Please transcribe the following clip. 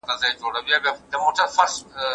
د علمي تحقیق کولو طریقه د سرپرستی اړتیا لري.